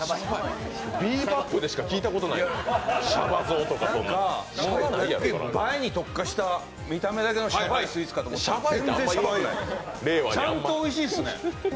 「ビー・バップ」でしか聞いたことないで、シャバイとか映えに特化した見た目だけのシャバいスイーツかと思ったんですけど、ちゃんとおいしいっすね。